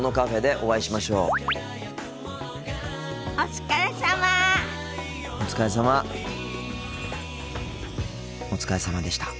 お疲れさまでした。